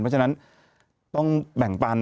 เพราะฉะนั้นต้องแบ่งปัน